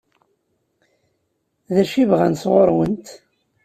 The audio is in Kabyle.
D acu i bɣan sɣur-kent?